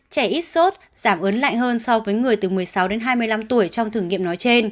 trẻ ít sốt giảm ướn lạnh hơn so với người từ một mươi sáu đến hai mươi năm tuổi trong thử nghiệm nói trên